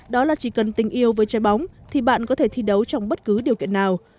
đó là chỉ cần tình yêu với chai bóng thì bạn có thể thi đấu trong bất cứ điều kiện nào